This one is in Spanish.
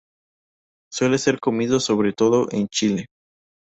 Suele ser comido sobre todo en Chile.